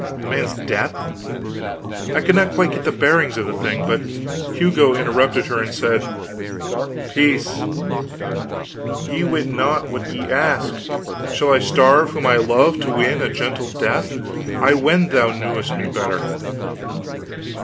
The man's death? I could not quite get the bearings of the thing. But Hugo interrupted her and said: "Peace! Ye wit not what ye ask. Shall I starve whom I love, to win a gentle death? I wend thou knewest me better."